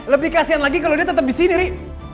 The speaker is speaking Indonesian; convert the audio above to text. lebih kasihan lagi kalo dia tetep disini ri